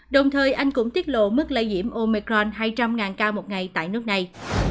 đồng thời anh cũng tiết lộ mức lây diễm omicron hai trăm linh ca một ngày tại nước này